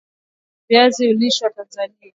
Viazi lishe hulimwa Tanzania